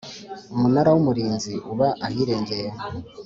Umunara w Umurinzi uba ahirengeye